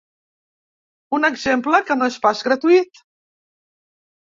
Un exemple que no és pas gratuït.